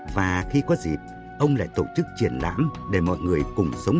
và khi có dịp ông lại tổ chức triển lãm để mọi người cùng sống